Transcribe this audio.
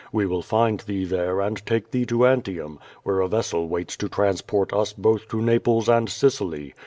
We will find thee there and take thee to Antiuni, where a vessel waits to transport us both to Naples and Sicily.